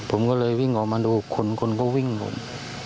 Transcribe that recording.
ผมก็เลยวิ่งออกมาดูคนก็วิ่งผม